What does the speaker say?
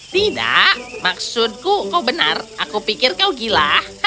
tidak maksudku kau benar aku pikir kau gila